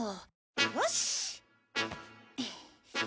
よし！